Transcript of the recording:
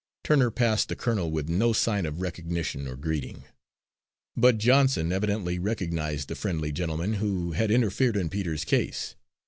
Turner passed the colonel with no sign of recognition or greeting. Bud Johnson evidently recognised the friendly gentleman who had interfered in Peter's case.